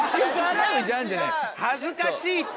恥ずかしいって！